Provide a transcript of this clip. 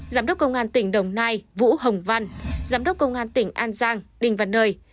giám đốc công an tỉnh đồng nai vũ hồng văn giám đốc công an tỉnh an giang đình văn nơi